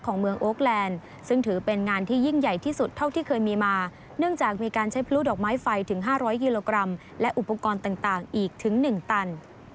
เนื่องจากมีการใช้พลุดอกไม้ไฟถึง๕๐๐กิโลกรัมและอุปกรณ์ต่างอีกถึง๑ตัน